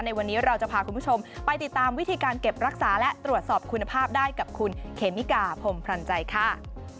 ในวันนี้เราจะพาคุณผู้ชมไปติดตามวิธีการเก็บรักษาและตรวจสอบคุณภาพได้กับคุณเขมิกาพรมพรรณใจค่ะ